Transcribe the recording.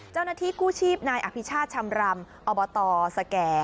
เจ้านัทีกู้ชีพนายอภิชาชำรรรมอบตสแก่